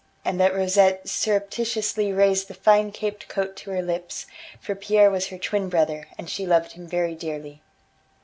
and that Rosette surreptitiously raised the fine caped coat to her lips, for Pierre was her twin brother, and she loved him very dearly.